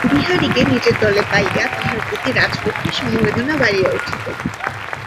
বিহারীকে নিজের দলে পাইয়া তাহার প্রতি রাজলক্ষ্মীর সমবেদনা বাড়িয়া উঠিল।